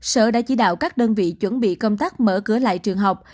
sở đã chỉ đạo các đơn vị chuẩn bị công tác mở cửa lại trường học